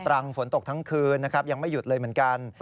รังฝนตกทั้งคืนนะครับยังไม่หยุดเลยเหมือนกัน